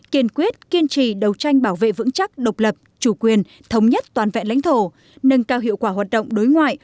kiên quyết kiên trì đấu tranh bảo vệ vững chắc độc lập chủ quyền thống nhất toàn vẹn lãnh thổ nâng cao hiệu quả hoạt động đối ngoại